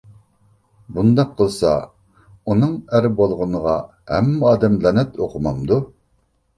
بۇنداق قىلسا ئۇنىڭ ئەر بولغىنىغا ھەممە ئادەم لەنەت ئوقۇمامدۇ؟